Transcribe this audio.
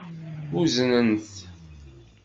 Uznen-t.